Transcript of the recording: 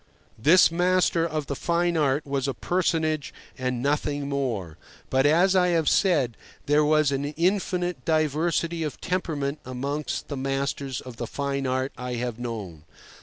This master of the fine art was a personage and nothing more; but, as I have said, there was an infinite diversity of temperament amongst the masters of the fine art I have known.